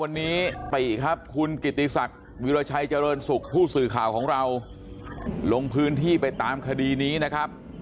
วันนี้ติครับคุณกิติศักดิ์วิราชัยเจริญสุขผู้สื่อข่าวของเราลงพื้นที่ไปตามคดีนี้นะครับ